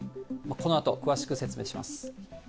このあと詳しく説明します。